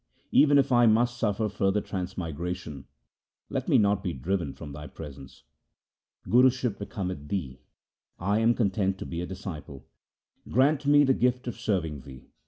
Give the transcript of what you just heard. Even if I must suffer further transmigration, let me not be driven from thy presence. Guruship becometh thee ; I am content LIFE OF GURU AMAR DAS 81 to be a disciple. Grant me the gift of serving thee.'